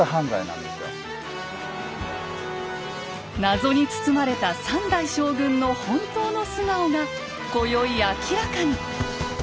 謎に包まれた３代将軍の本当の素顔が今宵明らかに！